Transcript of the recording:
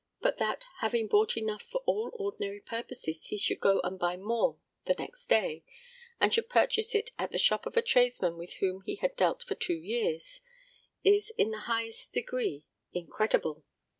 But that, having bought enough for all ordinary purposes, he should go and buy more the next day, and should purchase it at the shop of a tradesman with whom he had dealt for two years, is in the highest degree incredible.